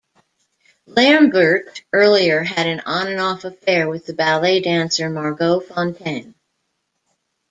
Lambert earlier had an on-and-off affair with the ballet dancer Margot Fonteyn.